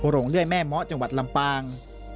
โรงเลื่อยแม่เมาะจังหวัดลำปาง